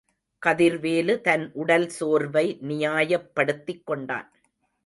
கதிர்வேலு தன் உடல் சோர்வை, நியாயப்படுத்திக் கொண்டான்.